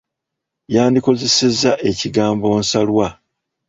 Yandikozesezza ekigambo nsalwa.